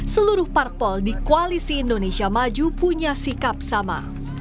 seluruh parpol di koalisi indonesia maju punya sikap sama